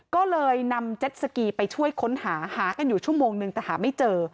ก็เลยนำเจ็ดสกีไปช่วยค้นหาหากันอยู่ชั่วโมงนึงแต่หาไม่เจอ